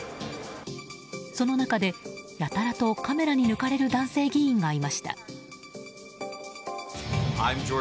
その中でやたらとカメラに抜かれる男性議員がいました。